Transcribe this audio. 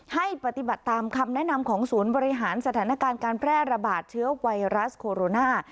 ให้ปฏิบัติตามคำแนะนำของศูนย์บริหารสถานการณ์การแพร่ระบาดเชื้อไวรัสโคโรนา